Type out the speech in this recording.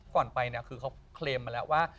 ก่อนไปเค้าเคลมมาแล้วว่า